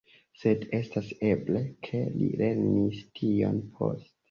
Sed estas eble, ke li lernis tion poste.